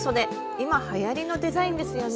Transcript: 今はやりのデザインですよね。